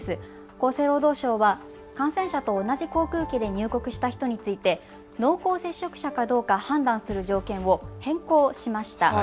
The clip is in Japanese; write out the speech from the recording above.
厚生労働省は感染者と同じ航空機で入国した人について濃厚接触者かどうか判断する条件を変更しました。